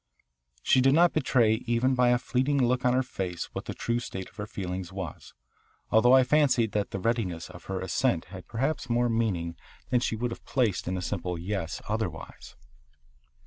She did not betray even by a fleeting look on her face what the true state of her feelings was, although I fancied that the readiness of her assent had perhaps more meaning than she would have placed in a simple "Yes" otherwise.